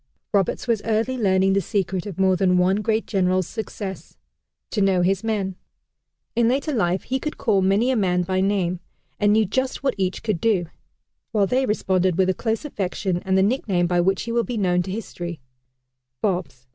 Roberts was early learning the secret of more than one great general's success to know his men. In later life he could call many a man by name, and knew just what each could do. While they responded with a close affection and the nickname by which he will be known to history "Bobs."